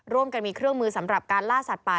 ร่วมกันมีเครื่องมือสำหรับการล่าสัตว์ป่า